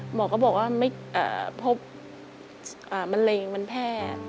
หมอก็บอกว่าไม่พบมะเร็งมันแพร่